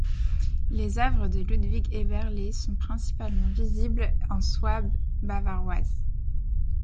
Les œuvres de Ludwig Eberle sont principalement visibles en Souabe bavaroise.